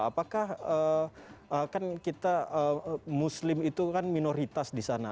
apakah kan kita muslim itu kan minoritas di sana